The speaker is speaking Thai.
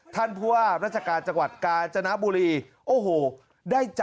ท่านผู้ว่าราชกาลจังหวัดกาจนบุรี